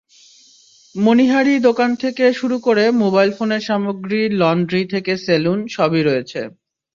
মনিহারি দোকান থেকে শুরু করে মোবাইল ফোনের সামগ্রী, লন্ড্রি থেকে সেলুন—সবই রয়েছে।